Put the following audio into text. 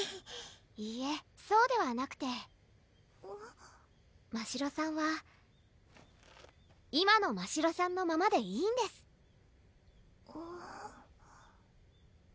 いいえそうではなくてましろさんは今のましろさんのままでいいんですうん？